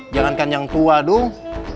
jangankan yang tua dong